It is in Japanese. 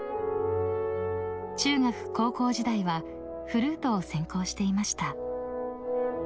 ［中学・高校時代はフルートを専攻していました］